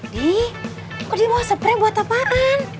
di kok dia bawa sepre buat apaan